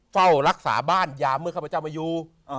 เฝ้ารักษาบ้านยามเมื่อข้าพเจ้ามาอยู่